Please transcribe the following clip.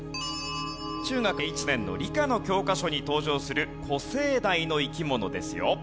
中学１年の理科の教科書に登場する古生代の生き物ですよ。